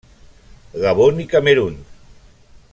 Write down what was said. Gabon i Camerun.